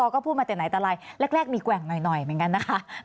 ก็พูดมาแต่ไหนแต่ไรแรกมีแกว่งหน่อยเหมือนกันนะคะ